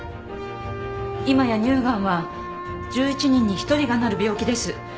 今や乳がんは１１人に１人がなる病気です。